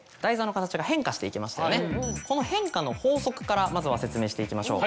この変化の法則からまずは説明していきましょう。